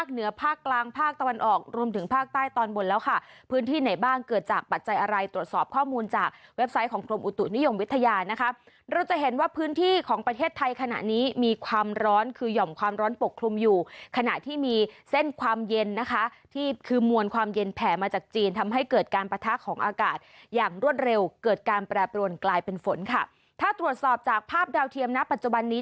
ฮัลโหลฮัลโหลฮัลโหลฮัลโหลฮัลโหลฮัลโหลฮัลโหลฮัลโหลฮัลโหลฮัลโหลฮัลโหลฮัลโหลฮัลโหลฮัลโหลฮัลโหลฮัลโหลฮัลโหลฮัลโหลฮัลโหลฮัลโหลฮัลโหลฮัลโหลฮัลโหลฮัลโหลฮัลโหลฮัลโหลฮัลโหลฮัลโ